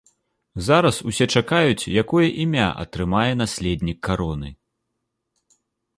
Зараз усе чакаюць, якое імя атрымае наследнік кароны.